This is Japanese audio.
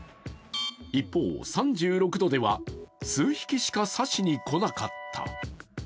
一方、３６度では数匹しか刺しにこなかった。